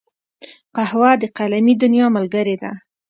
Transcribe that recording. قهوه د قلمي دنیا ملګرې ده